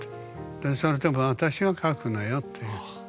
でそれでも私は書くのよという。